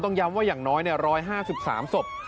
ย้ำว่าอย่างน้อย๑๕๓ศพ